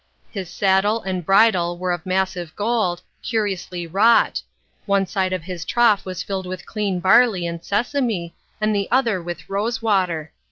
His saddle and bridle were of massive gold, curiously wrought; one side of his trough was filled with clean barley and sesame, and the other with rose water.